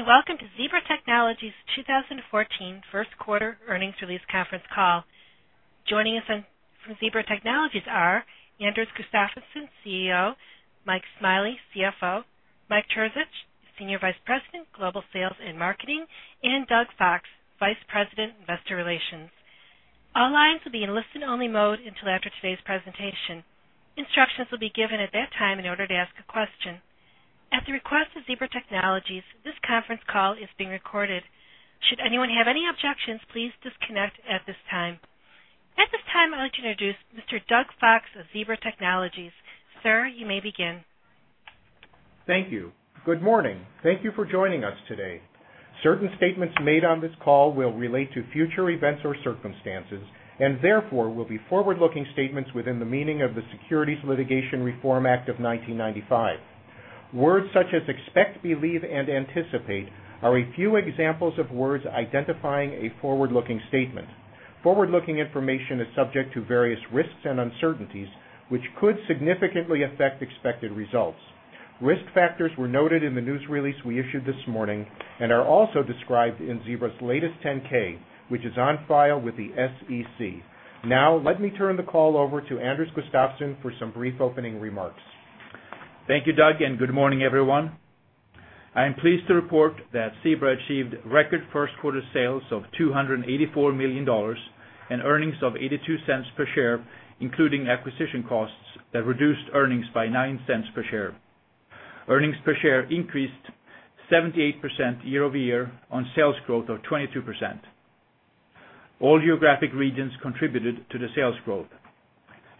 Good morning, and welcome to Zebra Technologies 2014 First Quarter Earnings Release Conference Call. Joining us from Zebra Technologies are Anders Gustafsson, CEO, Mike Smiley, CFO, Mike Terzich, Senior Vice President, Global Sales and Marketing, and Doug Fox, Vice President, Investor Relations. All lines will be in listen-only mode until after today's presentation. Instructions will be given at that time in order to ask a question. At the request of Zebra Technologies, this conference call is being recorded. Should anyone have any objections, please disconnect at this time. At this time, I'd like to introduce Mr. Doug Fox of Zebra Technologies. Sir, you may begin. Thank you. Good morning. Thank you for joining us today. Certain statements made on this call will relate to future events or circumstances, and therefore, will be forward-looking statements within the meaning of the Securities Litigation Reform Act of 1995. Words such as expect, believe, and anticipate are a few examples of words identifying a forward-looking statement. Forward-looking information is subject to various risks and uncertainties, which could significantly affect expected results. Risk factors were noted in the news release we issued this morning and are also described in Zebra's latest 10-K, which is on file with the SEC. Now, let me turn the call over to Anders Gustafsson for some brief opening remarks. Thank you, Doug, and good morning, everyone. I am pleased to report that Zebra achieved record first quarter sales of $284 million and earnings of $0.82 per share, including acquisition costs that reduced earnings by $0.09 per share. Earnings per share increased 78% year-over-year on sales growth of 22%. All geographic regions contributed to the sales growth.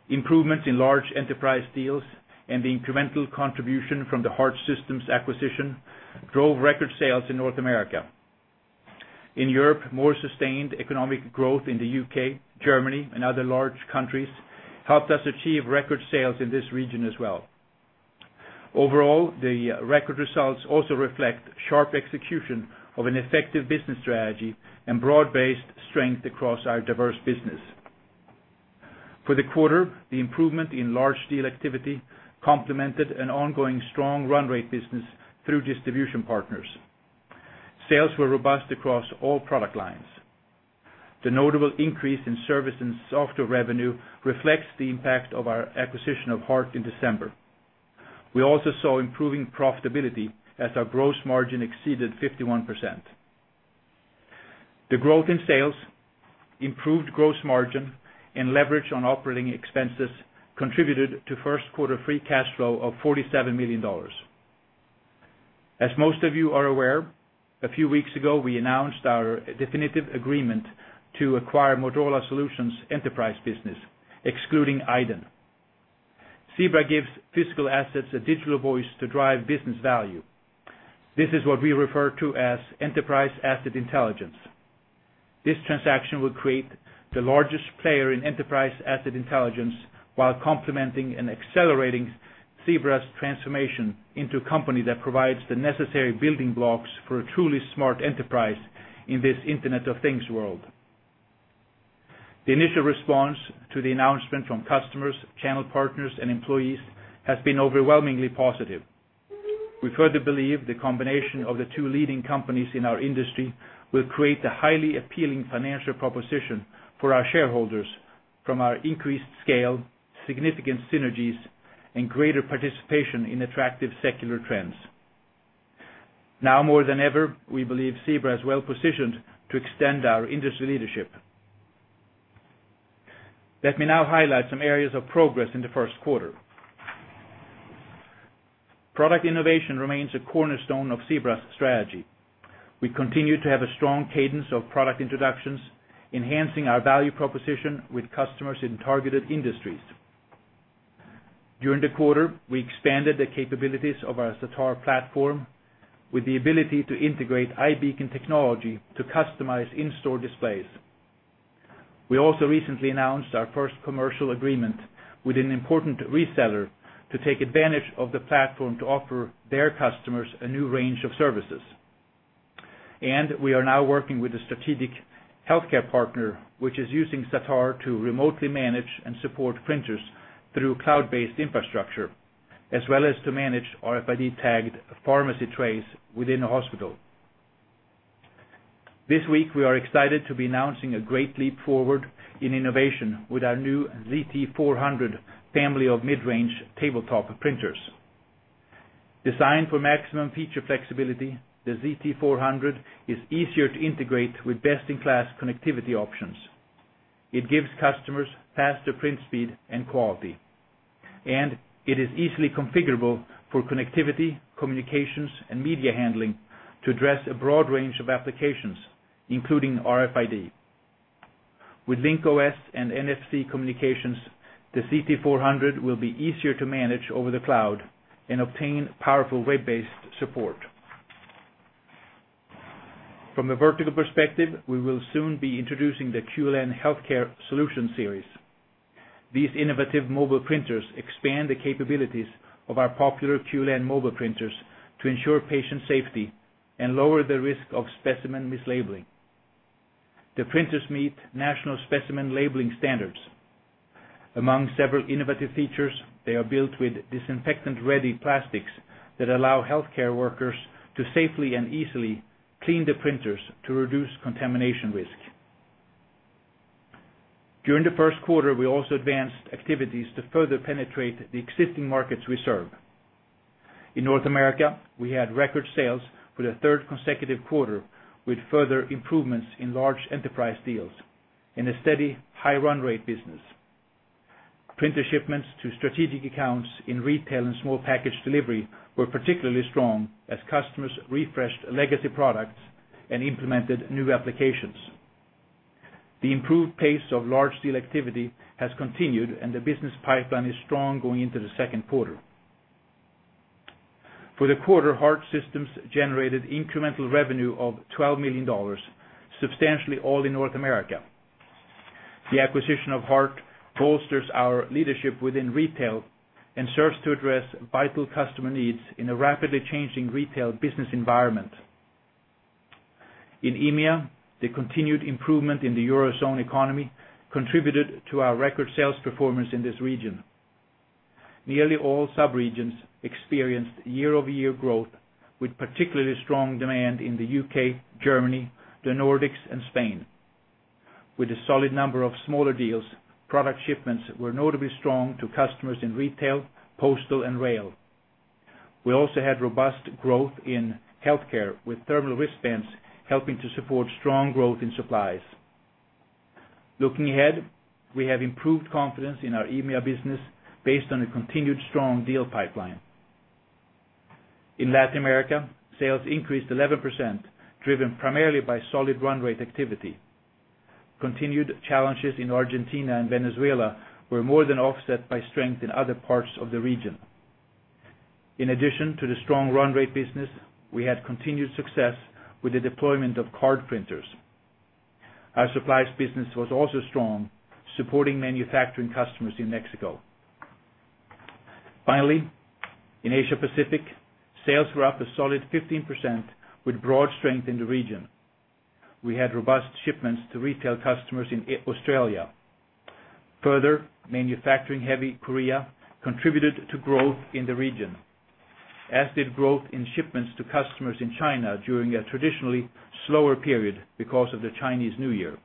Improvements in large enterprise deals and the incremental contribution from the Hart Systems acquisition drove record sales in North America. In Europe, more sustained economic growth in the U.K., Germany, and other large countries helped us achieve record sales in this region as well. Overall, the record results also reflect sharp execution of an effective business strategy and broad-based strength across our diverse business. For the quarter, the improvement in large deal activity complemented an ongoing strong run rate business through distribution partners. Sales were robust across all product lines. The notable increase in service and software revenue reflects the impact of our acquisition of Hart in December. We also saw improving profitability as our gross margin exceeded 51%. The growth in sales, improved gross margin, and leverage on operating expenses contributed to first quarter free cash flow of $47 million. As most of you are aware, a few weeks ago, we announced our definitive agreement to acquire Motorola Solutions enterprise business, excluding iDEN. Zebra gives physical assets a digital voice to drive business value. This is what we refer to as Enterprise Asset Intelligence. This transaction will create the largest player in Enterprise Asset Intelligence, while complementing and accelerating Zebra's transformation into a company that provides the necessary building blocks for a truly smart enterprise in this Internet of Things world. The initial response to the announcement from customers, channel partners, and employees has been overwhelmingly positive. We further believe the combination of the two leading companies in our industry will create a highly appealing financial proposition for our shareholders from our increased scale, significant synergies, and greater participation in attractive secular trends. Now, more than ever, we believe Zebra is well positioned to extend our industry leadership. Let me now highlight some areas of progress in the first quarter. Product innovation remains a cornerstone of Zebra's strategy. We continue to have a strong cadence of product introductions, enhancing our value proposition with customers in targeted industries. During the quarter, we expanded the capabilities of our Zatar platform with the ability to integrate iBeacon technology to customize in-store displays. We also recently announced our first commercial agreement with an important reseller to take advantage of the platform to offer their customers a new range of services. We are now working with a strategic healthcare partner, which is using Zatar to remotely manage and support printers through cloud-based infrastructure, as well as to manage RFID tagged pharmacy trays within a hospital. This week, we are excited to be announcing a great leap forward in innovation with our new ZT400 family of mid-range tabletop printers. Designed for maximum feature flexibility, the ZT400 is easier to integrate with best-in-class connectivity options. It gives customers faster print speed and quality, and it is easily configurable for connectivity, communications, and media handling to address a broad range of applications, including RFID. With Link-OS and NFC communications, the ZT400 will be easier to manage over the cloud and obtain powerful web-based support. From a vertical perspective, we will soon be introducing the QLn Healthcare Solutions series. These innovative mobile printers expand the capabilities of our popular QLn mobile printers to ensure patient safety and lower the risk of specimen mislabeling. The printers meet national specimen labeling standards. Among several innovative features, they are built with disinfectant-ready plastics that allow healthcare workers to safely and easily clean the printers to reduce contamination risk. During the first quarter, we also advanced activities to further penetrate the existing markets we serve. In North America, we had record sales for the third consecutive quarter, with further improvements in large enterprise deals and a steady, high run rate business. Printer shipments to strategic accounts in retail and small package delivery were particularly strong as customers refreshed legacy products and implemented new applications. The improved pace of large deal activity has continued, and the business pipeline is strong going into the second quarter. For the quarter, Hart Systems generated incremental revenue of $12 million, substantially all in North America. The acquisition of Hart bolsters our leadership within retail and serves to address vital customer needs in a rapidly changing retail business environment. In EMEA, the continued improvement in the Eurozone economy contributed to our record sales performance in this region. Nearly all sub-regions experienced year-over-year growth, with particularly strong demand in the UK, Germany, the Nordics, and Spain. With a solid number of smaller deals, product shipments were notably strong to customers in retail, postal, and rail. We also had robust growth in healthcare, with thermal wristbands helping to support strong growth in supplies. Looking ahead, we have improved confidence in our EMEA business based on a continued strong deal pipeline. In Latin America, sales increased 11%, driven primarily by solid run rate activity. Continued challenges in Argentina and Venezuela were more than offset by strength in other parts of the region. In addition to the strong run rate business, we had continued success with the deployment of card printers. Our supplies business was also strong, supporting manufacturing customers in Mexico. Finally, in Asia Pacific, sales were up a solid 15%, with broad strength in the region. We had robust shipments to retail customers in Australia. Further, manufacturing-heavy Korea contributed to growth in the region, as did growth in shipments to customers in China during a traditionally slower period because of the Chinese New Year.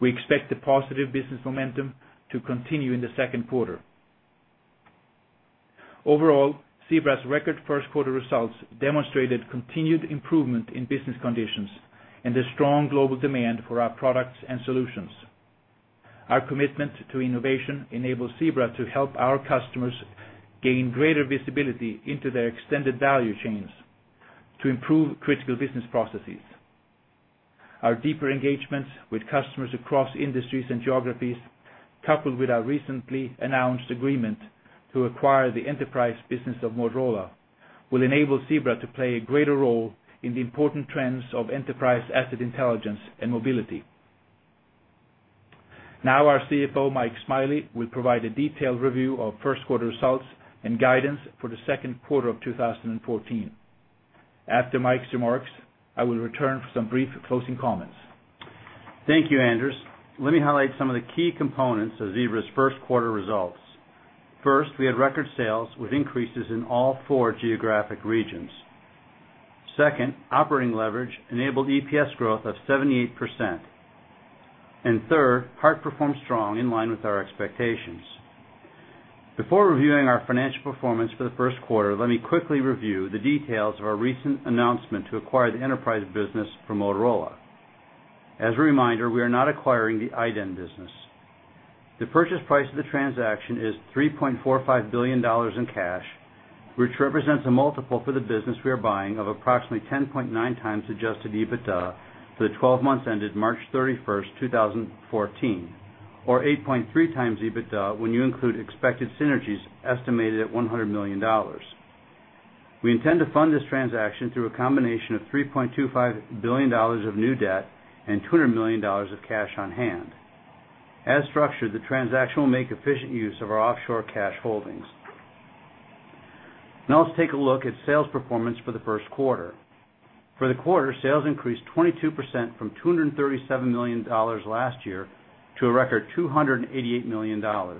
We expect the positive business momentum to continue in the second quarter. Overall, Zebra's record first quarter results demonstrated continued improvement in business conditions and a strong global demand for our products and solutions. Our commitment to innovation enables Zebra to help our customers gain greater visibility into their extended value chains to improve critical business processes. Our deeper engagements with customers across industries and geographies, coupled with our recently announced agreement to acquire the enterprise business of Motorola, will enable Zebra to play a greater role in the important trends of Enterprise Asset Intelligence and mobility. Now, our CFO, Mike Smiley, will provide a detailed review of first quarter results and guidance for the second quarter of 2014. After Mike's remarks, I will return for some brief closing comments. Thank you, Anders. Let me highlight some of the key components of Zebra's first quarter results. First, we had record sales with increases in all four geographic regions. Second, operating leverage enabled EPS growth of 78%. Third, Hart performed strong in line with our expectations. Before reviewing our financial performance for the first quarter, let me quickly review the details of our recent announcement to acquire the enterprise business from Motorola. As a reminder, we are not acquiring the iDEN business. The purchase price of the transaction is $3.45 billion in cash, which represents a multiple for the business we are buying of approximately 10.9x Adjusted EBITDA for the 12 months ended March 31, 2014, or 8.3x EBITDA when you include expected synergies estimated at $100 million. We intend to fund this transaction through a combination of $3.25 billion of new debt and $200 million of cash on hand. As structured, the transaction will make efficient use of our offshore cash holdings. Now, let's take a look at sales performance for the first quarter. For the quarter, sales increased 22% from $237 million last year to a record $288 million. On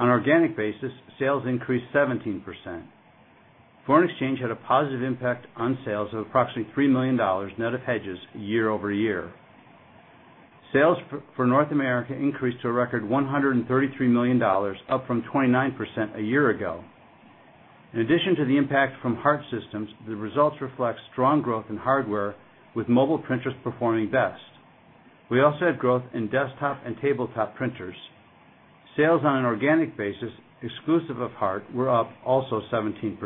an organic basis, sales increased 17%. Foreign exchange had a positive impact on sales of approximately $3 million, net of hedges, year-over-year. Sales for North America increased to a record $133 million, up 29% a year ago. In addition to the impact from Hart Systems, the results reflect strong growth in hardware, with mobile printers performing best. We also had growth in desktop and tabletop printers. Sales on an organic basis, exclusive of Hart, were up also 17%.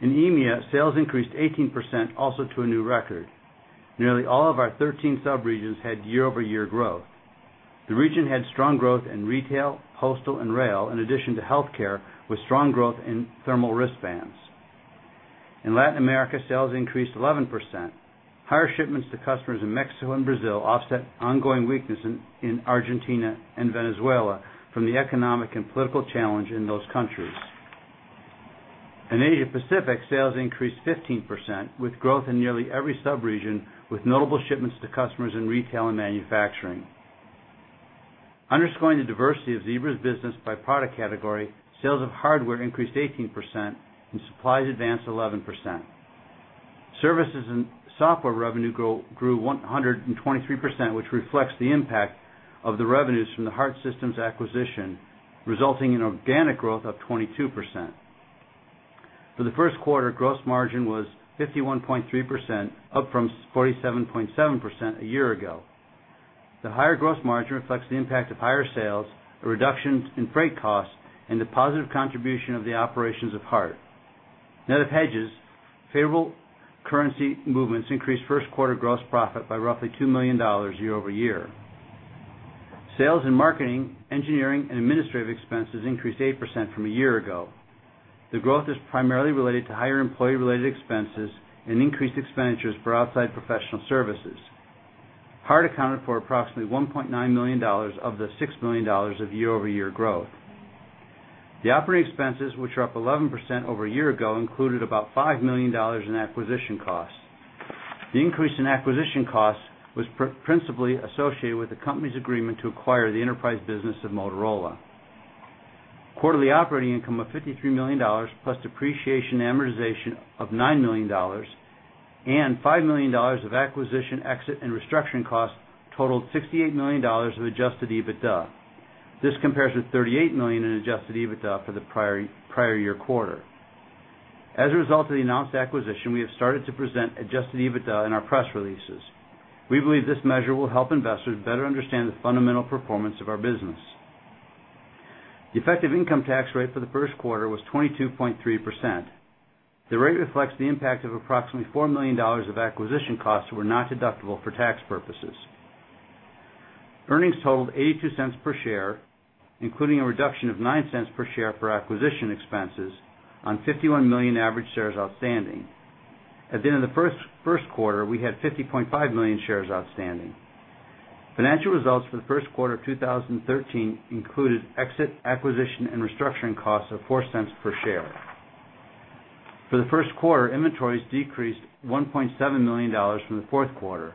In EMEA, sales increased 18%, also to a new record. Nearly all of our 13 sub-regions had year-over-year growth. The region had strong growth in retail, postal, and rail, in addition to healthcare, with strong growth in thermal wristbands. In Latin America, sales increased 11%. Higher shipments to customers in Mexico and Brazil offset ongoing weakness in Argentina and Venezuela from the economic and political challenge in those countries. In Asia Pacific, sales increased 15%, with growth in nearly every sub-region, with notable shipments to customers in retail and manufacturing. Underscoring the diversity of Zebra's business by product category, sales of hardware increased 18% and supplies advanced 11%. Services and software revenue grow, grew 123%, which reflects the impact of the revenues from the Hart Systems acquisition, resulting in organic growth of 22%. For the first quarter, gross margin was 51.3%, up from 47.7% a year ago. The higher gross margin reflects the impact of higher sales, a reduction in freight costs, and the positive contribution of the operations of Hart. Net of hedges, favorable currency movements increased first quarter gross profit by roughly $2 million year-over-year. Sales and marketing, engineering, and administrative expenses increased 8% from a year ago. The growth is primarily related to higher employee-related expenses and increased expenditures for outside professional services. Hart accounted for approximately $1.9 million of the $6 million of year-over-year growth. The operating expenses, which are up 11% over a year ago, included about $5 million in acquisition costs. The increase in acquisition costs was principally associated with the company's agreement to acquire the enterprise business of Motorola. Quarterly operating income of $53 million, plus depreciation and amortization of $9 million, and $5 million of acquisition, exit, and restructuring costs totaled $68 million of adjusted EBITDA. This compares with $38 million in adjusted EBITDA for the prior, prior year quarter. As a result of the announced acquisition, we have started to present adjusted EBITDA in our press releases. We believe this measure will help investors better understand the fundamental performance of our business. The effective income tax rate for the first quarter was 22.3%. The rate reflects the impact of approximately $4 million of acquisition costs that were not deductible for tax purposes. Earnings totaled $0.82 per share, including a reduction of $0.09 per share for acquisition expenses on 51 million average shares outstanding. At the end of the first quarter, we had 50.5 million shares outstanding. Financial results for the first quarter of 2013 included exit, acquisition, and restructuring costs of $0.04 per share. For the first quarter, inventories decreased $1.7 million from the fourth quarter.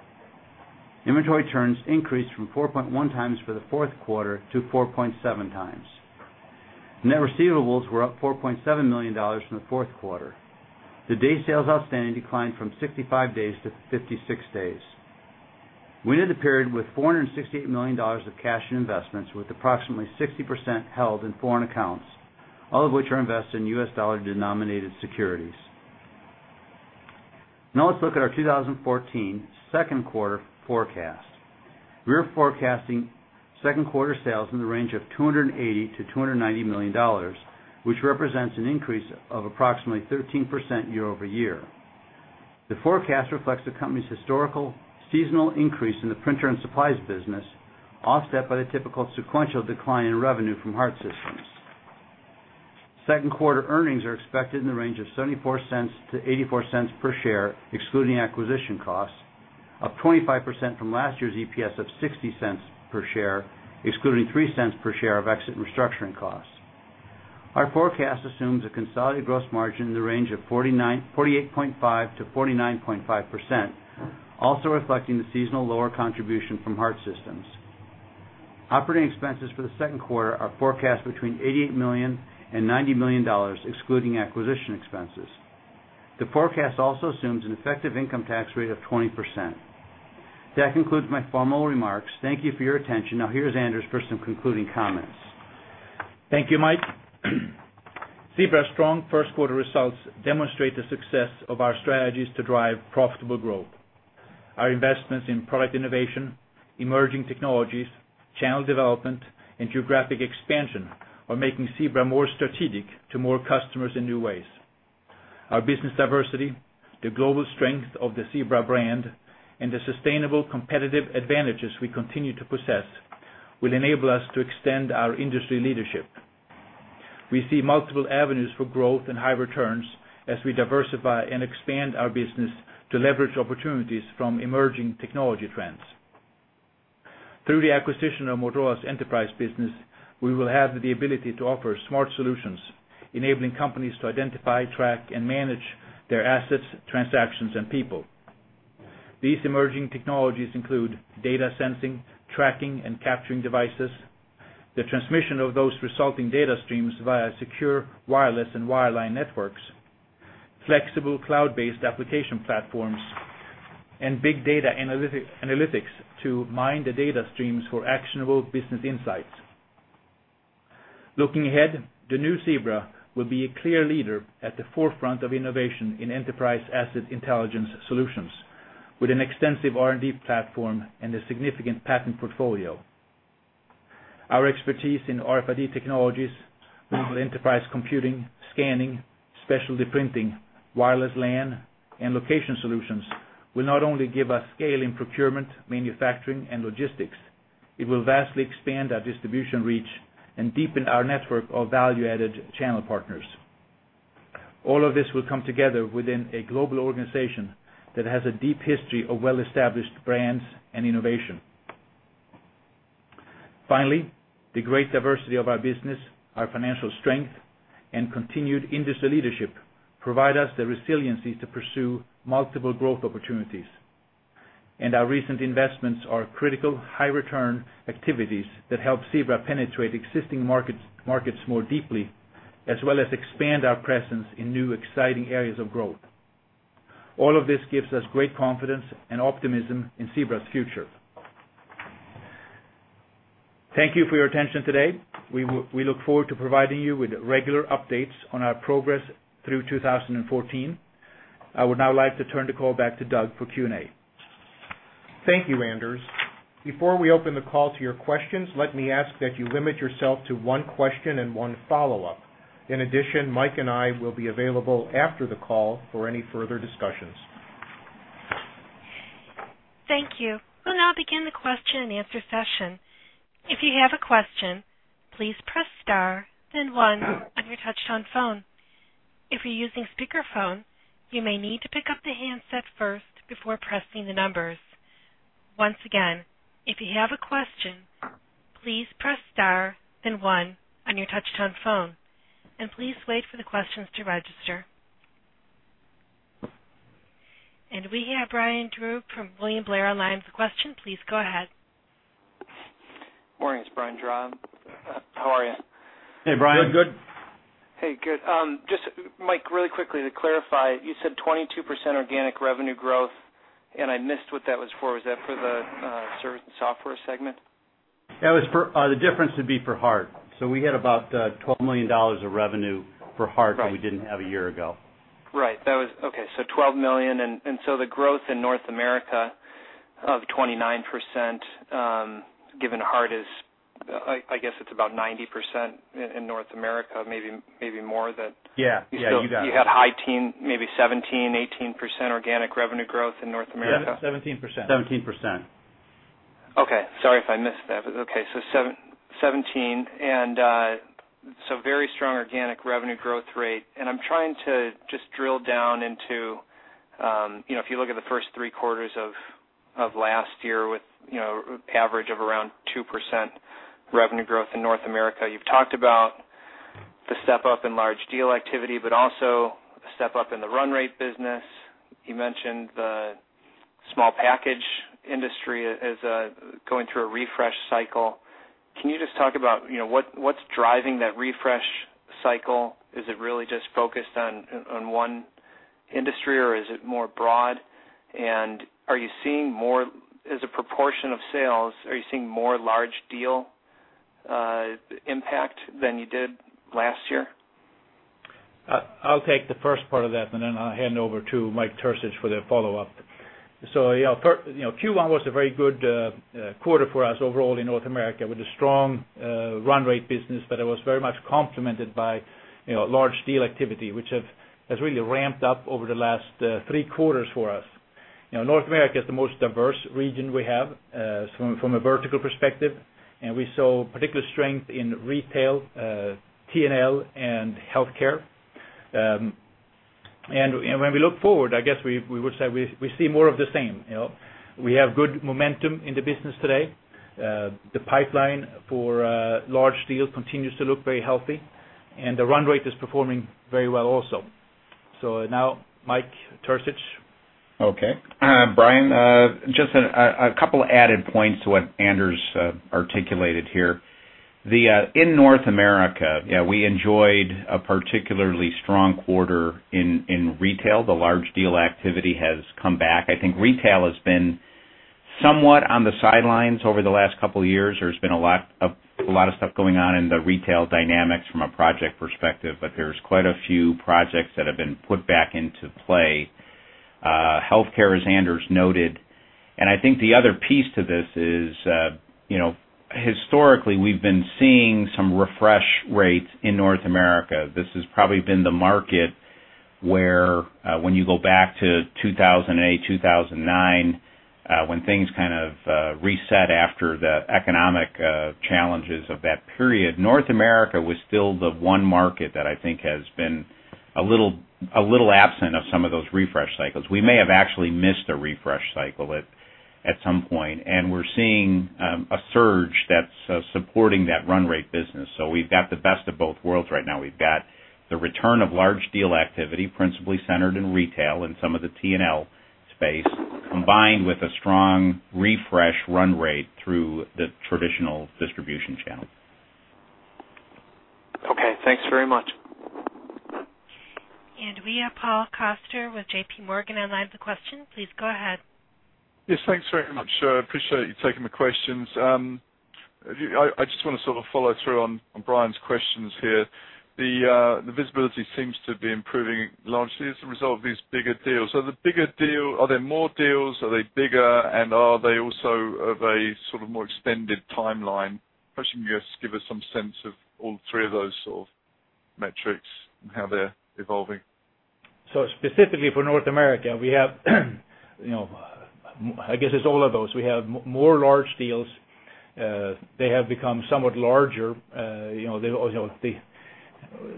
Inventory turns increased from 4.1x for the fourth quarter to 4.7x. Net receivables were up $4.7 million from the fourth quarter. The day sales outstanding declined from 65 days to 56 days. We ended the period with $468 million of cash and investments, with approximately 60% held in foreign accounts, all of which are invested in U.S. dollar-denominated securities. Now let's look at our 2014 second quarter forecast. We are forecasting second quarter sales in the range of $280 million-$290 million, which represents an increase of approximately 13% year-over-year. The forecast reflects the company's historical seasonal increase in the printer and supplies business, offset by the typical sequential decline in revenue from Hart Systems. Second quarter earnings are expected in the range of $0.74-$0.84 per share, excluding acquisition costs, up 25% from last year's EPS of $0.60 per share, excluding $0.03 per share of exit and restructuring costs. Our forecast assumes a consolidated gross margin in the range of 48.5%-49.5%, also reflecting the seasonal lower contribution from Hart Systems. Operating expenses for the second quarter are forecast between $88 million and $90 million, excluding acquisition expenses. The forecast also assumes an effective income tax rate of 20%. That concludes my formal remarks. Thank you for your attention. Now, here's Anders for some concluding comments. Thank you, Mike. Zebra's strong first quarter results demonstrate the success of our strategies to drive profitable growth. Our investments in product innovation, emerging technologies, channel development, and geographic expansion are making Zebra more strategic to more customers in new ways. Our business diversity, the global strength of the Zebra brand, and the sustainable competitive advantages we continue to possess, will enable us to extend our industry leadership. We see multiple avenues for growth and high returns as we diversify and expand our business to leverage opportunities from emerging technology trends. Through the acquisition of Motorola's enterprise business, we will have the ability to offer smart solutions, enabling companies to identify, track, and manage their assets, transactions, and people. These emerging technologies include data sensing, tracking, and capturing devices, the transmission of those resulting data streams via secure wireless and wireline networks, flexible cloud-based application platforms, and big data analytics to mine the data streams for actionable business insights. Looking ahead, the new Zebra will be a clear leader at the forefront of innovation in Enterprise Asset Intelligence solutions, with an extensive R&D platform and a significant patent portfolio. Our expertise in RFID technologies, mobile enterprise computing, scanning, specialty printing, wireless LAN, and location solutions will not only give us scale in procurement, manufacturing, and logistics, it will vastly expand our distribution reach and deepen our network of value-added channel partners. All of this will come together within a global organization that has a deep history of well-established brands and innovation. Finally, the great diversity of our business, our financial strength, and continued industry leadership provide us the resiliency to pursue multiple growth opportunities. And our recent investments are critical, high return activities that help Zebra penetrate existing markets more deeply, as well as expand our presence in new, exciting areas of growth. All of this gives us great confidence and optimism in Zebra's future. Thank you for your attention today. We look forward to providing you with regular updates on our progress through 2014. I would now like to turn the call back to Doug for Q&A. Thank you, Anders. Before we open the call to your questions, let me ask that you limit yourself to one question and one follow-up. In addition, Mike and I will be available after the call for any further discussions. Thank you. We'll now begin the question and answer session. If you have a question, please press star, then one on your touchtone phone. If you're using speakerphone, you may need to pick up the handset first before pressing the numbers. Once again, if you have a question, please press star, then one on your touchtone phone, and please wait for the questions to register. And we have Brian Drab from William Blair online with a question. Please go ahead. Morning, it's Brian Drab. How are you? Hey, Brian. Good. Hey, good. Just, Mike, really quickly to clarify, you said 22% organic revenue growth, and I missed what that was for. Was that for the service and software segment? That was for the difference would be for Hart. So we had about $12 million of revenue for Hart that we didn't have a year ago. Right. That was... Okay, so $12 million. And so the growth in North America of 29%, given Hart is, I guess it's about 90% in North America, maybe more that- Yeah. Yeah, you got it. You had high teens, maybe 17%-18% organic revenue growth in North America. 17%. 17%. Okay. Sorry if I missed that. Okay, so 17%, and so very strong organic revenue growth rate. And I'm trying to just drill down into, you know, if you look at the first three quarters of last year with, you know, average of around 2% revenue growth in North America, you've talked about the step up in large deal activity, but also the step up in the run rate business. You mentioned the small package industry as going through a refresh cycle. Can you just talk about, you know, what's driving that refresh cycle? Is it really just focused on one industry, or is it more broad? And are you seeing more, as a proportion of sales, are you seeing more large deal impact than you did last year? I'll take the first part of that, and then I'll hand over to Mike Terzich for the follow-up. So, yeah, you know, Q1 was a very good quarter for us overall in North America, with a strong run rate business, but it was very much complemented by, you know, large deal activity, which has really ramped up over the last three quarters for us. You know, North America is the most diverse region we have from a vertical perspective, and we saw particular strength in retail, T&L and healthcare. And when we look forward, I guess we would say we see more of the same, you know. We have good momentum in the business today. The pipeline for large deals continues to look very healthy, and the run rate is performing very well also. So now, Mike Terzich. Okay. Brian, just a couple added points to what Anders articulated here. In North America, yeah, we enjoyed a particularly strong quarter in retail. The large deal activity has come back. I think retail has been somewhat on the sidelines over the last couple of years. There's been a lot of stuff going on in the retail dynamics from a project perspective, but there's quite a few projects that have been put back into play. Healthcare, as Anders noted, and I think the other piece to this is, you know, historically, we've been seeing some refresh rates in North America. This has probably been the market where, when you go back to 2008, 2009, when things kind of reset after the economic challenges of that period, North America was still the one market that I think has been a little, a little absent of some of those refresh cycles. We may have actually missed a refresh cycle at some point, and we're seeing a surge that's supporting that run rate business. So we've got the best of both worlds right now. We've got the return of large deal activity, principally centered in retail and some of the T&L space, combined with a strong refresh run rate through the traditional distribution channel. Okay, thanks very much. We have Paul Coster with JPMorgan online with a question. Please go ahead. Yes, thanks very much. I appreciate you taking my questions. I just want to sort of follow through on Brian's questions here. The visibility seems to be improving largely as a result of these bigger deals. So the bigger deal, are there more deals? Are they bigger? And are they also of a sort of more extended timeline? I'm wondering if you can just give us some sense of all three of those sort of metrics and how they're evolving. So specifically for North America, we have, you know, I guess it's all of those. We have more large deals. They have become somewhat larger. You know, they, you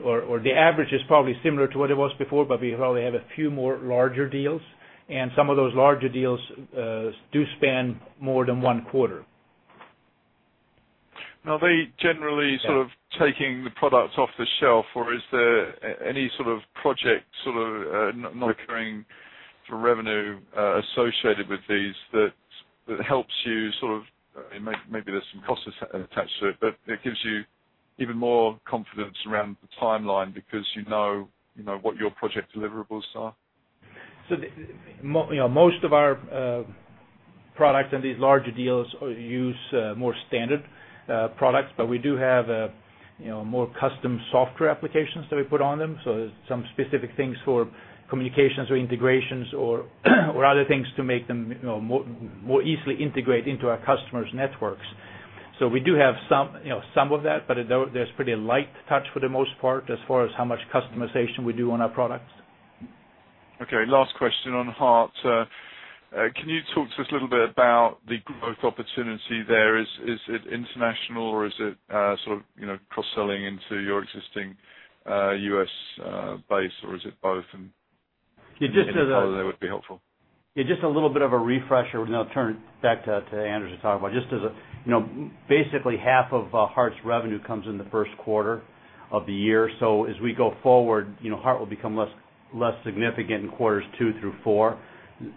know, the average is probably similar to what it was before, but we probably have a few more larger deals, and some of those larger deals do span more than one quarter. Now, are they generally sort of taking the products off the shelf, or is there any sort of project, sort of, non-recurring to revenue associated with these that, that helps you sort of, maybe there's some costs attached to it, but it gives you even more confidence around the timeline because you know, you know, what your project deliverables are? So, you know, most of our products in these larger deals use more standard products, but we do have, you know, more custom software applications that we put on them. So some specific things for communications or integrations or other things to make them, you know, more easily integrate into our customers' networks. So we do have some, you know, some of that, but though there's pretty light touch for the most part, as far as how much customization we do on our products. Okay, last question on Hart. Can you talk to us a little bit about the growth opportunity there? Is it international, or is it sort of, you know, cross-selling into your existing US base, or is it both? And- Yeah, just as a- Any color there would be helpful. Yeah, just a little bit of a refresher, and I'll turn it back to Anders to talk about. Just as a, you know, basically half of Hart's revenue comes in the first quarter of the year. So as we go forward, you know, Hart will become less, less significant in quarters two through four.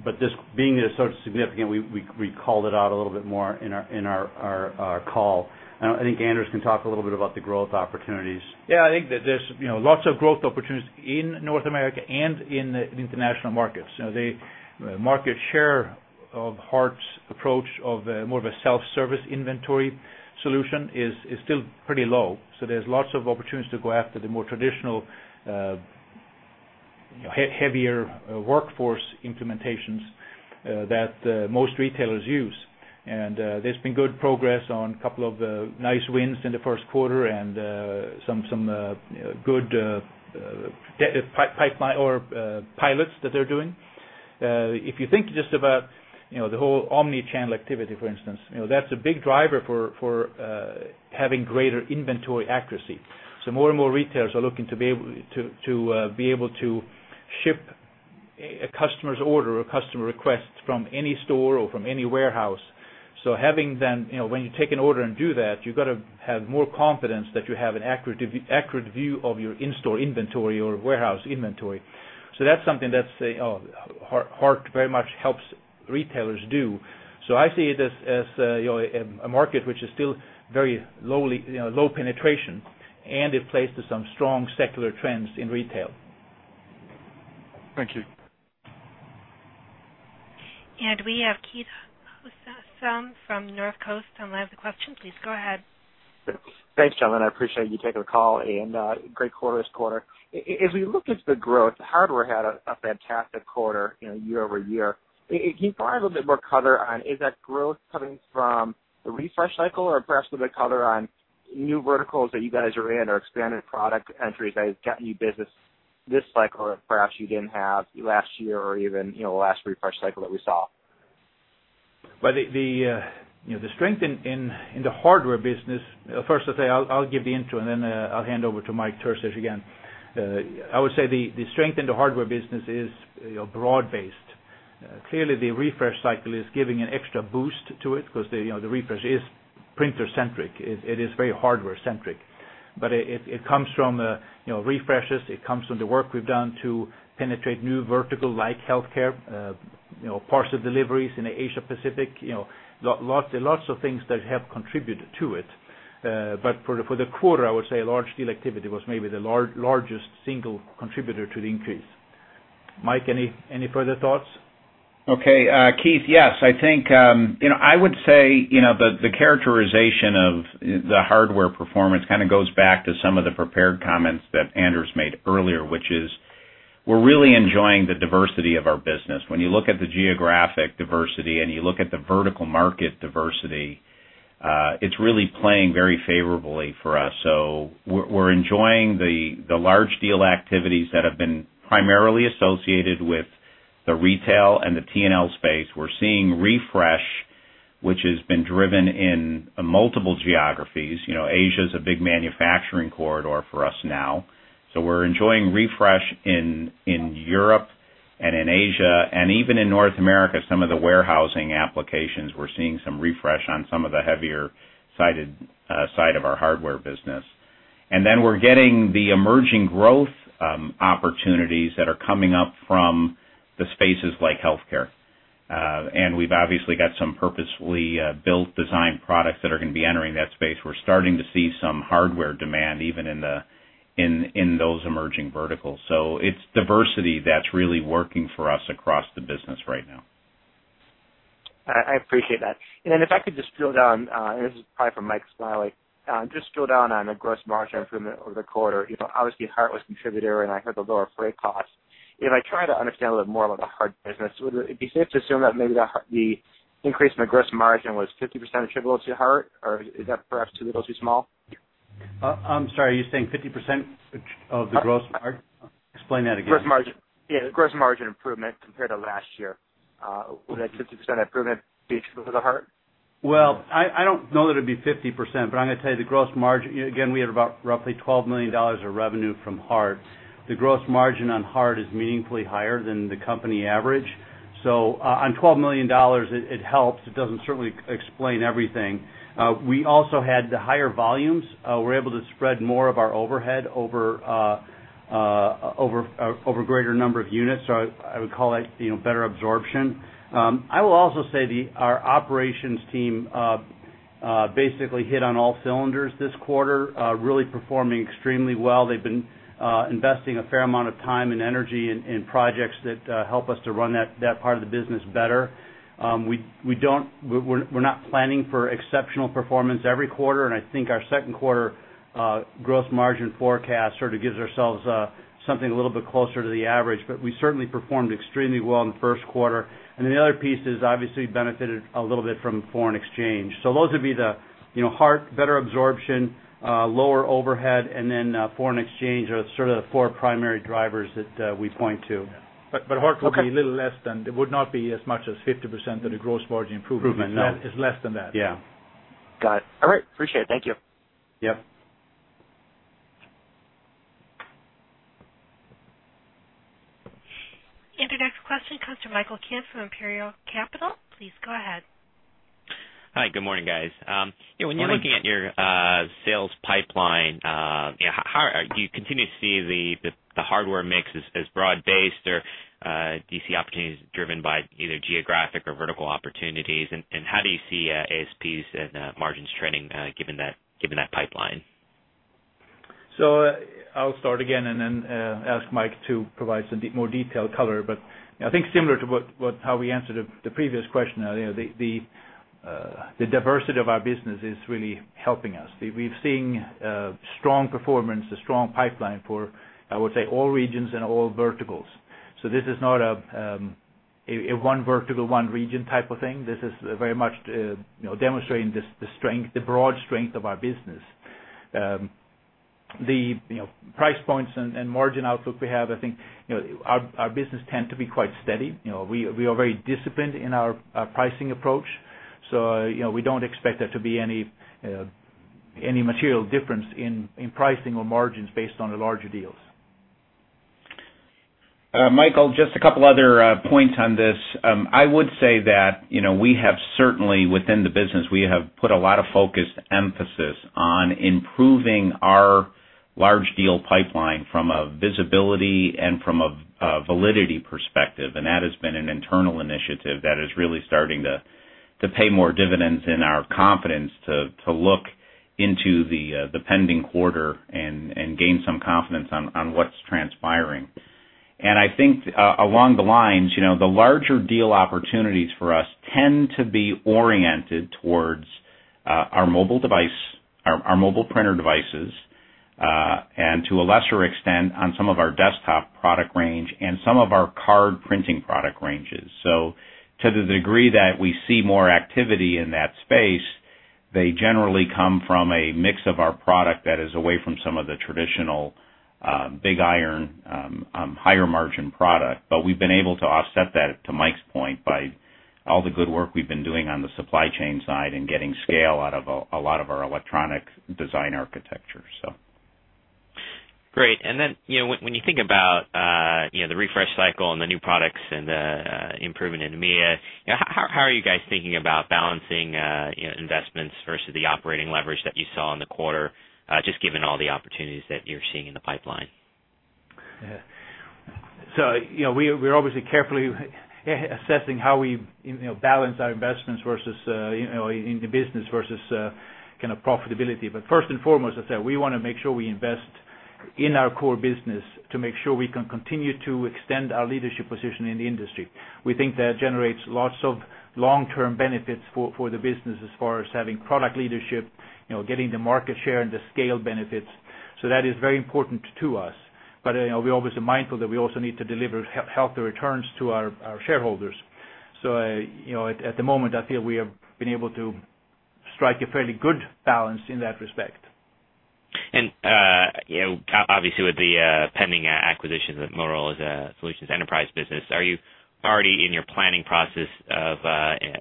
But this being so significant, we called it out a little bit more in our call. I think Anders can talk a little bit about the growth opportunities. Yeah, I think that there's, you know, lots of growth opportunities in North America and in the international markets. You know, the market share of Hart's approach of more of a self-service inventory solution is still pretty low. So there's lots of opportunities to go after the more traditional heavier workforce implementations that most retailers use. And there's been good progress on a couple of nice wins in the first quarter and some good pilots that they're doing. If you think just about, you know, the whole omni-channel activity, for instance, you know, that's a big driver for having greater inventory accuracy. So more and more retailers are looking to be able to ship a customer's order or customer request from any store or from any warehouse. So having them, you know, when you take an order and do that, you've got to have more confidence that you have an accurate accurate view of your in-store inventory or warehouse inventory. So that's something that's Hart very much helps retailers do. So I see it as, you know, a market which is still very low, you know, low penetration, and it plays to some strong secular trends in retail. Thank you. We have Keith Housum from Northcoast on the line with a question. Please go ahead. Thanks, gentlemen. I appreciate you taking the call, and great quarter this quarter. If we look at the growth, Hardware had a fantastic quarter, you know, year-over-year. Can you provide a little bit more color on, is that growth coming from the refresh cycle, or perhaps a bit color on new verticals that you guys are in, or expanded product entries that has gotten you business this cycle, or perhaps you didn't have last year or even, you know, last refresh cycle that we saw? Well, the strength in the hardware business... First, I'll say, I'll give the intro, and then, I'll hand over to Mike Terzich again. I would say the strength in the hardware business is, you know, broad-based. Clearly, the refresh cycle is giving an extra boost to it because the, you know, the refresh is printer-centric. It is very hardware-centric. But it comes from, you know, refreshes. It comes from the work we've done to penetrate new vertical, like healthcare, you know, parcel deliveries in the Asia Pacific. You know, lots and lots of things that have contributed to it. But for the quarter, I would say large deal activity was maybe the largest single contributor to the increase. Mike, any further thoughts? Okay, Keith, yes, I think, you know, I would say, you know, the characterization of the hardware performance kind of goes back to some of the prepared comments that Anders made earlier, which is we're really enjoying the diversity of our business. When you look at the geographic diversity, and you look at the vertical market diversity, it's really playing very favorably for us. So we're enjoying the large deal activities that have been primarily associated with the retail and the T&L space. We're seeing refresh, which has been driven in multiple geographies. You know, Asia is a big manufacturing corridor for us now. So we're enjoying refresh in Europe and in Asia, and even in North America, some of the warehousing applications, we're seeing some refresh on some of the heavier sided side of our hardware business. And then we're getting the emerging growth opportunities that are coming up from the spaces like healthcare. And we've obviously got some purposefully built design products that are going to be entering that space. We're starting to see some hardware demand, even in those emerging verticals. So it's diversity that's really working for us across the business right now. I appreciate that. And then if I could just drill down, and this is probably for Mike as well, just drill down on the gross margin improvement over the quarter. You know, obviously, Hart was contributor, and I heard the lower freight costs. If I try to understand a little more about the Hart business, would it be safe to assume that maybe the increase in the gross margin was 50% attributable to Hart, or is that perhaps a little too small? I'm sorry, are you saying 50% of the gross margin? Explain that again. Gross margin. Yeah, the gross margin improvement compared to last year, would that 50% improvement be because of the Hart? Well, I don't know that it'd be 50%, but I'm gonna tell you the gross margin, again, we had about roughly $12 million of revenue from Hart. The gross margin on Hart is meaningfully higher than the company average. So, on $12 million, it helps. It doesn't certainly explain everything. We also had the higher volumes, we're able to spread more of our overhead over a greater number of units. So I would call it, you know, better absorption. I will also say our operations team basically hit on all cylinders this quarter, really performing extremely well. They've been investing a fair amount of time and energy in projects that help us to run that part of the business better. We're not planning for exceptional performance every quarter, and I think our second quarter gross margin forecast sort of gives ourselves something a little bit closer to the average, but we certainly performed extremely well in the first quarter. And then the other piece is, obviously benefited a little bit from foreign exchange. So those would be the, you know, Hart, better absorption, lower overhead, and then foreign exchange are sort of the four primary drivers that we point to. But, Hart will be a little less than... It would not be as much as 50% of the gross margin improvement. Improvement, no. It's less than that. Yeah. Got it. All right, appreciate it. Thank you. The next question comes from Michael Kim from Imperial Capital. Please go ahead. Hi, good morning, guys. You know- Morning. When you're looking at your sales pipeline, you know, how do you continue to see the hardware mix as broad-based, or do you see opportunities driven by either geographic or vertical opportunities? And how do you see ASPs and margins trending, given that pipeline? So I'll start again and then ask Mike to provide some more detailed color. But I think similar to how we answered the previous question, you know, the diversity of our business is really helping us. We've seen strong performance, a strong pipeline for, I would say, all regions and all verticals. So this is not a one vertical, one region type of thing. This is very much, you know, demonstrating the strength, the broad strength of our business. You know, price points and margin outlook we have, I think, you know, our business tend to be quite steady. You know, we are very disciplined in our pricing approach, so, you know, we don't expect there to be any material difference in pricing or margins based on the larger deals. Michael, just a couple other points on this. I would say that, you know, we have certainly, within the business, we have put a lot of focus emphasis on improving our large deal pipeline from a visibility and from a validity perspective. And that has been an internal initiative that is really starting to pay more dividends in our confidence to look into the pending quarter and gain some confidence on what's transpiring. And I think, along the lines, you know, the larger deal opportunities for us tend to be oriented towards our mobile device, our mobile printer devices, and to a lesser extent, on some of our desktop product range and some of our card printing product ranges. So to the degree that we see more activity in that space, they generally come from a mix of our product that is away from some of the traditional, big iron, higher margin product. But we've been able to offset that, to Mike's point, by all the good work we've been doing on the supply chain side and getting scale out of a lot of our electronic design architecture, so. Great. And then, you know, when you think about, you know, the refresh cycle and the new products and the, improvement in EMEA, you know, how are you guys thinking about balancing, you know, investments versus the operating leverage that you saw in the quarter, just given all the opportunities that you're seeing in the pipeline? Yeah. So, you know, we're obviously carefully assessing how we, you know, balance our investments versus, you know, in the business versus, kind of profitability. But first and foremost, I said, we wanna make sure we invest in our core business to make sure we can continue to extend our leadership position in the industry. We think that generates lots of long-term benefits for the business as far as having product leadership, you know, getting the market share and the scale benefits. So that is very important to us. But, you know, we're obviously mindful that we also need to deliver healthy returns to our shareholders. So, you know, at the moment, I feel we have been able to strike a fairly good balance in that respect. You know, obviously, with the pending acquisition of Motorola Solutions' enterprise business, are you already in your planning process of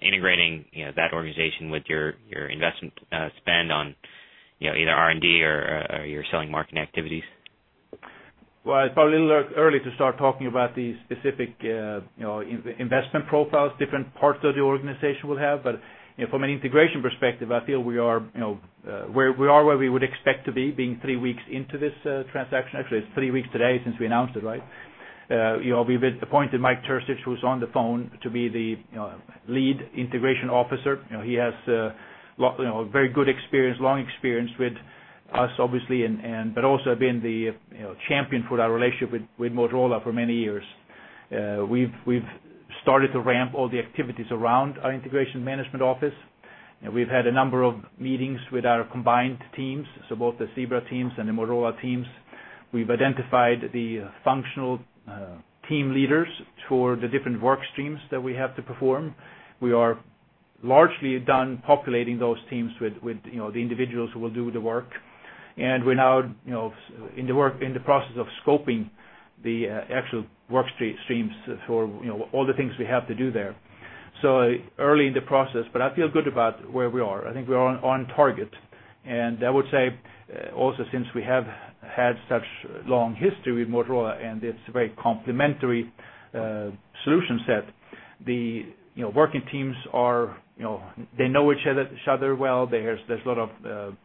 integrating, you know, that organization with your investment spend on, you know, either R&D or your sales and marketing activities? Well, it's probably a little early to start talking about the specific, you know, investment profiles different parts of the organization will have. But, you know, from an integration perspective, I feel we are, you know, where we are, where we would expect to be, being three weeks into this transaction. Actually, it's three weeks today since we announced it, right? You know, we've appointed Mike Terzich, who's on the phone, to be the lead integration officer. You know, he has, lot, you know, a very good experience, long experience with us, obviously, and, and but also been the champion for our relationship with, with Motorola for many years. We've started to ramp all the activities around our integration management office, and we've had a number of meetings with our combined teams, so both the Zebra teams and the Motorola teams. We've identified the functional team leaders toward the different work streams that we have to perform. We are largely done populating those teams with, you know, the individuals who will do the work. We're now, you know, in the process of scoping the actual work streams for, you know, all the things we have to do there. Early in the process, but I feel good about where we are. I think we're on target. And I would say, also, since we have had such long history with Motorola, and it's a very complementary, solution set, the, you know, working teams are, you know, they know each other, each other well. There's, there's a lot of,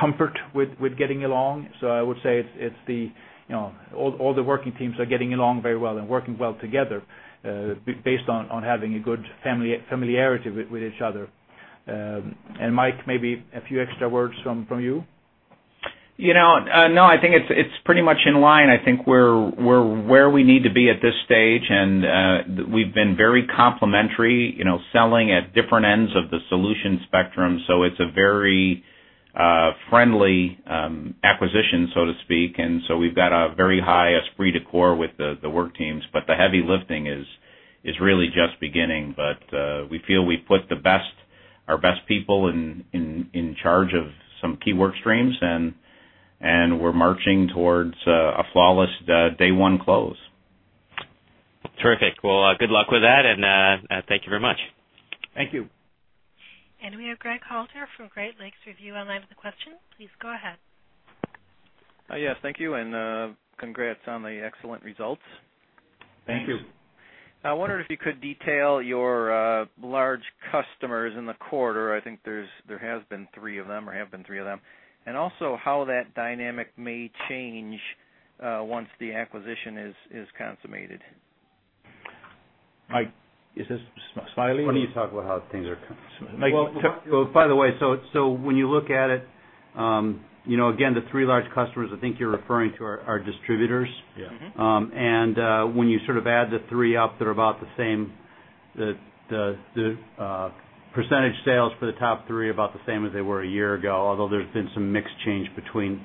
comfort with, with getting along. So I would say it's, it's the, you know, all, all the working teams are getting along very well and working well together, based on, on having a good familiarity with, with each other. And Mike, maybe a few extra words from, from you? You know, no, I think it's pretty much in line. I think we're where we need to be at this stage, and we've been very complementary, you know, selling at different ends of the solution spectrum. So it's a very friendly acquisition, so to speak. And so we've got a very high esprit de corps with the work teams, but the heavy lifting is really just beginning. But we feel we've put our best people in charge of some key work streams, and we're marching towards a flawless day one close. Terrific. Well, good luck with that, and, thank you very much. Thank you. We have Greg Halter from Great Lakes Review online with a question. Please go ahead. Yes, thank you, and congrats on the excellent results. Thank you. Thank you. I wondered if you could detail your large customers in the quarter. I think there has been three of them or have been three of them. And also how that dynamic may change once the acquisition is consummated. Mike, is this Smiley? Why don't you talk about how things are cons- Well, by the way, so when you look at it, you know, again, the three large customers I think you're referring to are distributors. And when you sort of add the three up, they're about the same. The percentage sales for the top three are about the same as they were a year ago, although there's been some mix change between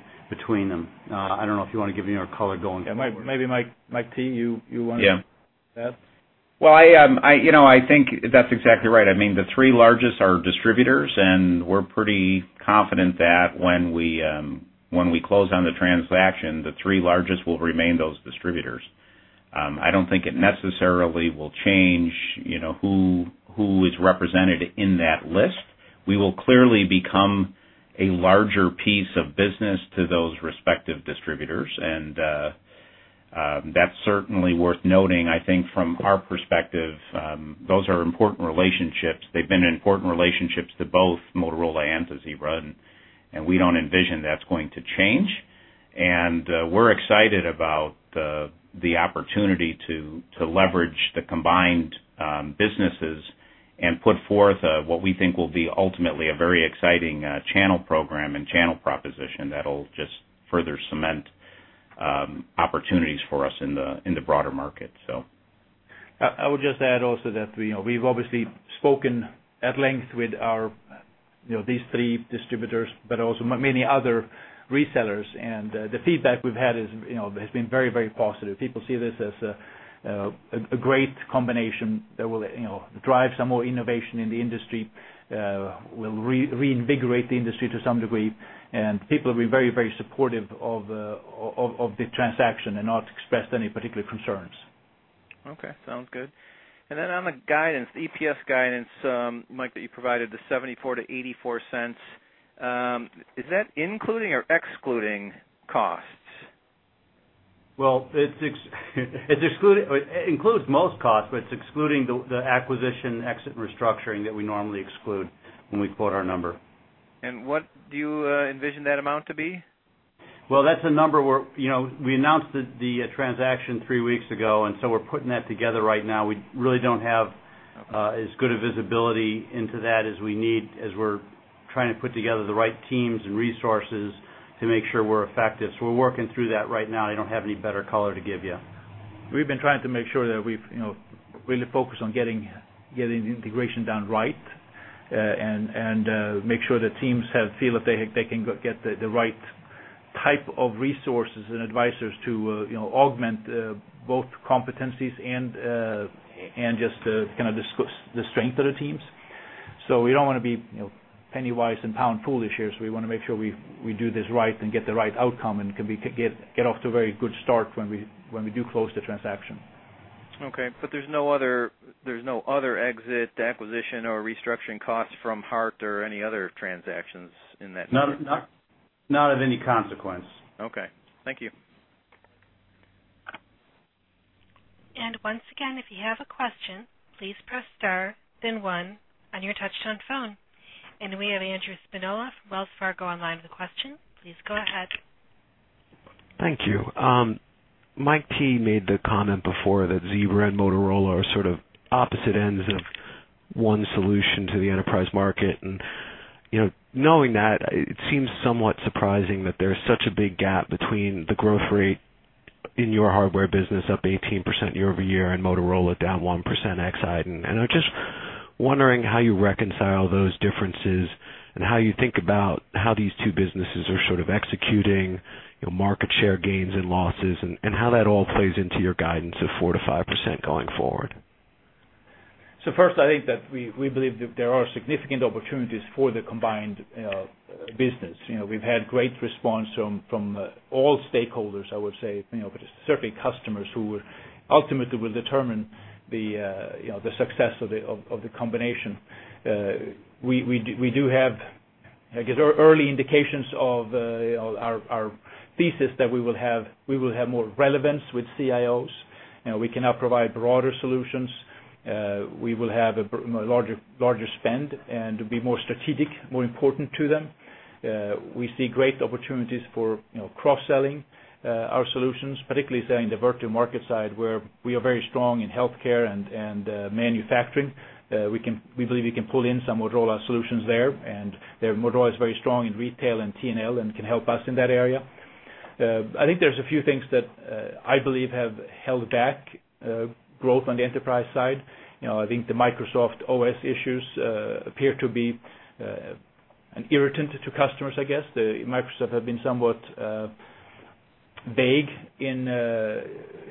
them. I don't know if you wanna give any more color going forward. Yeah, maybe Mike, Mike T, you want to- Yeah. Add? Well, I, you know, I think that's exactly right. I mean, the three largest are distributors, and we're pretty confident that when we, when we close on the transaction, the three largest will remain those distributors. I don't think it necessarily will change, you know, who is represented in that list. We will clearly become a larger piece of business to those respective distributors, and, that's certainly worth noting. I think from our perspective, those are important relationships. They've been important relationships to both Motorola and to Zebra, and we don't envision that's going to change. We're excited about the opportunity to leverage the combined businesses and put forth what we think will be ultimately a very exciting channel program and channel proposition that'll just further cement opportunities for us in the broader market, so. I would just add also that, you know, we've obviously spoken at length with our, you know, these three distributors, but also many other resellers. The feedback we've had is, you know, has been very, very positive. People see this as a great combination that will, you know, drive some more innovation in the industry, will reinvigorate the industry to some degree, and people have been very, very supportive of the transaction and not expressed any particular concerns. Okay. Sounds good. On the guidance, the EPS guidance, Mike, that you provided, the $0.74-$0.84, is that including or excluding costs? Well, it's excluded. It includes most costs, but it's excluding the acquisition, exit, and restructuring that we normally exclude when we quote our number. What do you envision that amount to be? Well, that's a number where, you know, we announced the transaction three weeks ago, and so we're putting that together right now. We really don't have as good a visibility into that as we need, as we're trying to put together the right teams and resources to make sure we're effective. So we're working through that right now. I don't have any better color to give you. We've been trying to make sure that we've, you know, really focused on getting the integration done right, and make sure the teams have feel that they can get the right type of resources and advisors to, you know, augment both competencies and just kind of discuss the strength of the teams. So we don't wanna be, you know, penny-wise and pound-foolish here. So we wanna make sure we do this right and get the right outcome and can get off to a very good start when we do close the transaction. Okay, but there's no other exit, acquisition, or restructuring costs from Hart or any other transactions in that- Not of any consequence. Okay. Thank you. Once again, if you have a question, please press star then one on your touchtone phone. We have Andrew Spinola from Wells Fargo online with a question. Please go ahead. Thank you. Mike T. made the comment before that Zebra and Motorola are sort of opposite ends of one solution to the enterprise market. You know, knowing that, it seems somewhat surprising that there's such a big gap between the growth rate in your hardware business, up 18% year-over-year, and Motorola down 1% ex-iDEN. I'm just wondering how you reconcile those differences and how you think about how these two businesses are sort of executing, you know, market share gains and losses, and how that all plays into your guidance of 4%-5% going forward? So first, I think that we believe that there are significant opportunities for the combined business. You know, we've had great response from all stakeholders, I would say, you know, but certainly customers who ultimately will determine the success of the combination. We do have, I guess, early indications of our thesis that we will have more relevance with CIOs. You know, we can now provide broader solutions. We will have a larger spend and be more strategic, more important to them. We see great opportunities for cross-selling our solutions, particularly saying the vertical market side, where we are very strong in healthcare and manufacturing. We believe we can pull in some Motorola solutions there, and their Motorola is very strong in retail and T&L, and can help us in that area. I think there's a few things that I believe have held back growth on the enterprise side. You know, I think the Microsoft OS issues appear to be an irritant to customers, I guess. The Microsoft have been somewhat vague in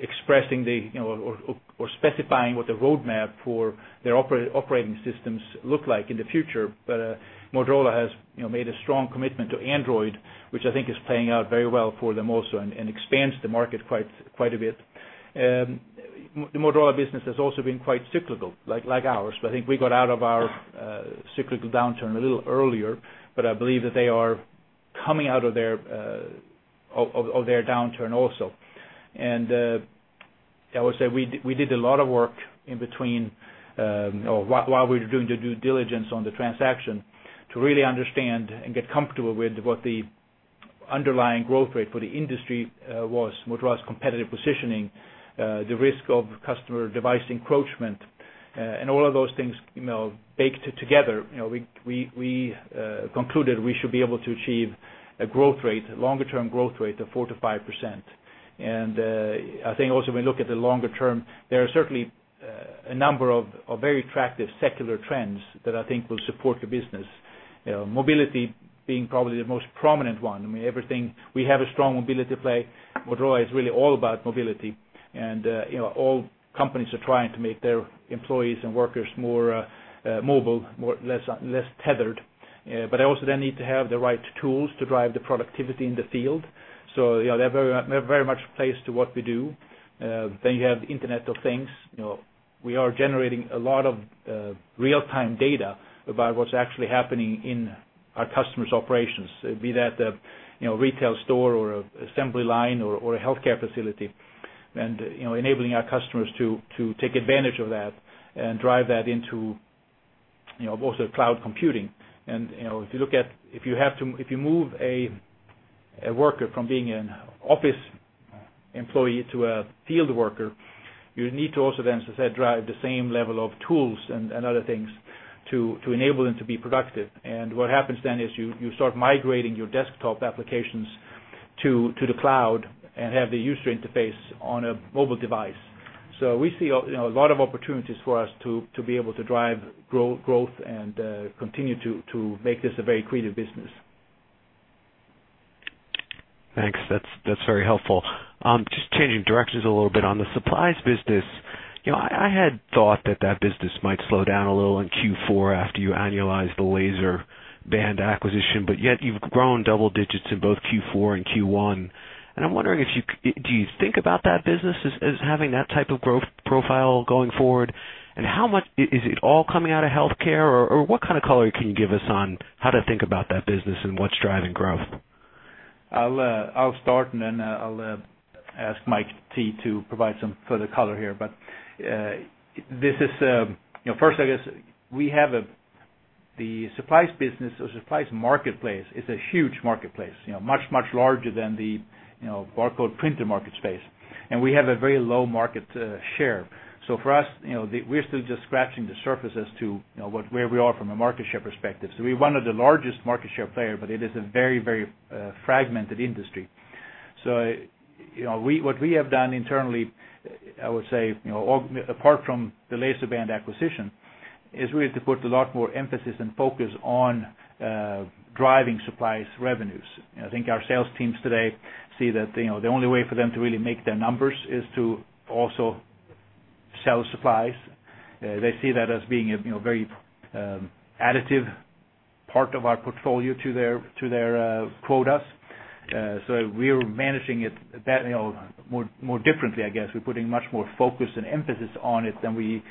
expressing the, you know, or specifying what the roadmap for their operating systems look like in the future. But Motorola has, you know, made a strong commitment to Android, which I think is playing out very well for them also and expands the market quite a bit. The Motorola business has also been quite cyclical, like, like ours, but I think we got out of our cyclical downturn a little earlier, but I believe that they are coming out of their of their downturn also. I would say we concluded we should be able to achieve a growth rate, longer term growth rate of 4%-5%. I think also when we look at the longer term, there are certainly a number of very attractive secular trends that I think will support the business. You know, mobility being probably the most prominent one. I mean, everything—we have a strong mobility play. Motorola is really all about mobility, and, you know, all companies are trying to make their employees and workers more mobile, less tethered. But they also then need to have the right tools to drive the productivity in the field. So, you know, they're very, very much placed to what we do. Then you have the Internet of Things. You know, we are generating a lot of real-time data about what's actually happening in our customers' operations, be that a, you know, retail store or assembly line or a healthcare facility. You know, enabling our customers to take advantage of that and drive that into, you know, also cloud computing. You know, if you move a worker from being an office employee to a field worker, you need to also then, as I said, drive the same level of tools and other things to enable them to be productive. What happens then is you start migrating your desktop applications to the cloud and have the user interface on a mobile device. So we see, you know, a lot of opportunities for us to be able to drive growth and continue to make this a very creative business. Thanks. That's, that's very helpful. Just changing directions a little bit. On the supplies business, you know, I, I had thought that that business might slow down a little in Q4 after you annualize the LaserBand acquisition, but yet you've grown double digits in both Q4 and Q1. And I'm wondering, do you think about that business as, as having that type of growth profile going forward? And is it all coming out of healthcare, or, or what kind of color can you give us on how to think about that business and what's driving growth? I'll start, and then I'll ask Mike T. to provide some further color here. But this is, you know, first, I guess, we have the supplies business or supplies marketplace is a huge marketplace, you know, much, much larger than the, you know, barcode printer market space, and we have a very low market share. So for us, you know, we're still just scratching the surface as to, you know, what, where we are from a market share perspective. So we're one of the largest market share player, but it is a very, very fragmented industry. So, you know, what we have done internally, I would say, you know, or apart from the LaserBand acquisition, is really to put a lot more emphasis and focus on driving supplies revenues. I think our sales teams today see that, you know, the only way for them to really make their numbers is to also sell supplies. They see that as being a, you know, very, additive part of our portfolio to their quotas. So we are managing it that, you know, more differently, I guess. We're putting much more focus and emphasis on it than we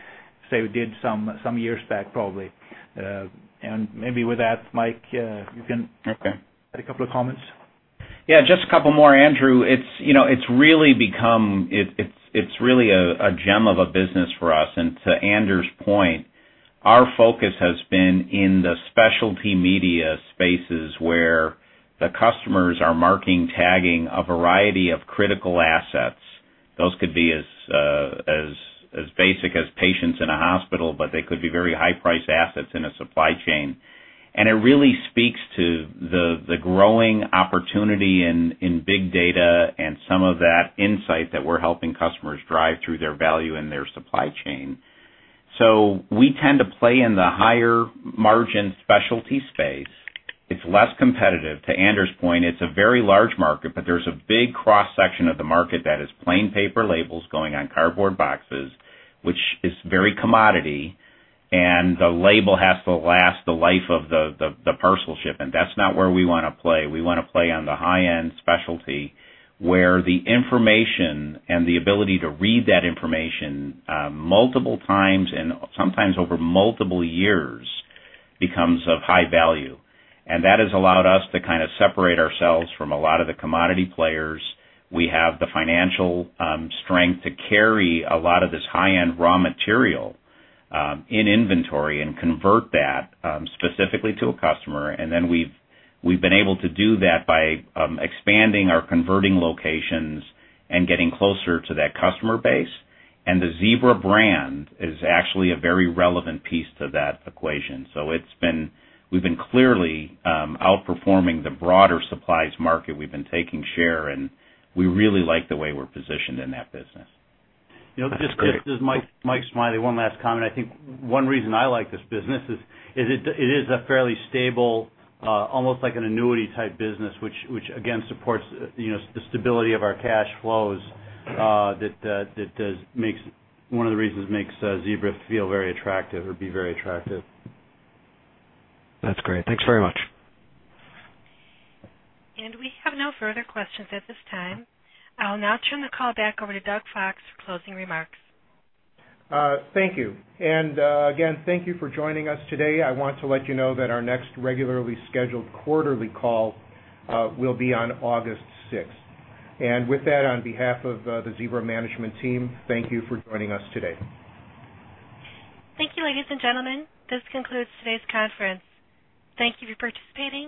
say we did some years back, probably. And maybe with that, Mike, you can- Okay. Add a couple of comments. Yeah, just a couple more, Andrew. It's, you know, it's really become a gem of a business for us. And to Anders' point, our focus has been in the specialty media spaces where the customers are marking, tagging a variety of critical assets. Those could be as basic as patients in a hospital, but they could be very high-priced assets in a supply chain. And it really speaks to the growing opportunity in big data and some of that insight that we're helping customers drive through their value in their supply chain. So we tend to play in the higher margin specialty space. It's less competitive. To Anders' point, it's a very large market, but there's a big cross-section of the market that is plain paper labels going on cardboard boxes, which is very commodity, and the label has to last the life of the parcel shipment. That's not where we wanna play. We wanna play on the high-end specialty, where the information and the ability to read that information multiple times and sometimes over multiple years becomes of high value. And that has allowed us to kind of separate ourselves from a lot of the commodity players. We have the financial strength to carry a lot of this high-end raw material in inventory and convert that specifically to a customer. And then we've been able to do that by expanding our converting locations and getting closer to that customer base. The Zebra brand is actually a very relevant piece to that equation. We've been clearly outperforming the broader supplies market. We've been taking share, and we really like the way we're positioned in that business. You know, this is Mike, Mike Smiley. One last comment. I think one reason I like this business is it is a fairly stable, almost like an annuity type business, which again supports, you know, the stability of our cash flows, that that does makes one of the reasons makes Zebra feel very attractive or be very attractive. That's great. Thanks very much. We have no further questions at this time. I'll now turn the call back over to Doug Fox for closing remarks. Thank you. And again, thank you for joining us today. I want to let you know that our next regularly scheduled quarterly call will be on August 6th. And with that, on behalf of the Zebra management team, thank you for joining us today. Thank you, ladies and gentlemen. This concludes today's conference. Thank you for participating.